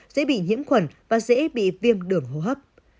dễ bị nhiễm khuẩn và dễ bị viêm đường hô hấp